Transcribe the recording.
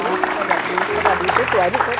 สวัสดีสวัสดีสวัสดีสวยที่เขาบอก